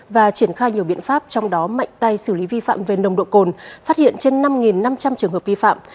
và triển khai nhiều biện pháp trong đó mạnh tay xử lý vi phạm về nồng độ cồn phát hiện trên năm năm trăm linh trường hợp vi phạm